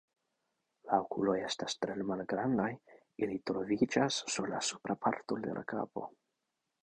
La okuloj estas tre malgrandaj, ili troviĝas sur la supra parto de la kapo.